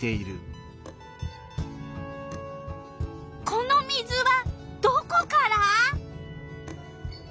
この水はどこから？